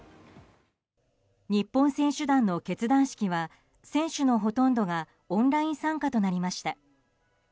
日本選手団の結団式は選手のほとんどがオンライン参加となりました。